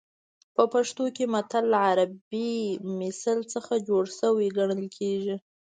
په پښتو کې متل له عربي مثل څخه جوړ شوی ګڼل کېږي